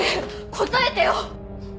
答えてよ！